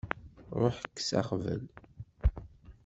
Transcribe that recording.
Ruḥ kkes aɣbel.